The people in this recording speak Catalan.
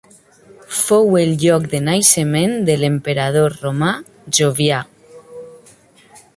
Fou el lloc de naixement de l'emperador romà Jovià.